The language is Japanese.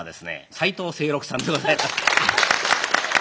斉藤清六さんでございます。